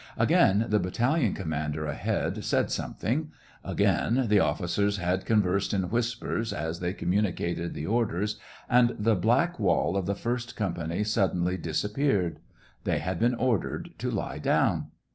Again the battalion commander ahead said some thing. Again the oflficers had conversed in whispers, as they communicated the orders, and the black wall of the first company suddenly dis 94 SEVASTOPOL IN MAY. appeared. They bad been ordered to lie down.